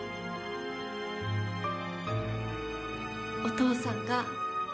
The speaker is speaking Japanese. お父さんが。